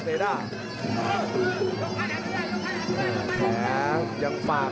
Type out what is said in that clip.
ส่วนหน้านั้นอยู่ที่เลด้านะครับ